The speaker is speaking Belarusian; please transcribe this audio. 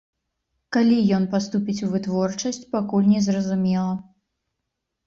Калі ён паступіць у вытворчасць, пакуль незразумела.